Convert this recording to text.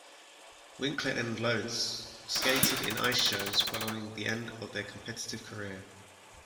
Winkler and Lohse skated in ice shows following the end of their competitive career.